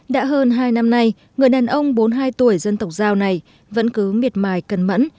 đã hơn hai năm nay người đàn ông bốn mươi hai tuổi dân tộc giao này vẫn cứ miệt mài cẩn mẫn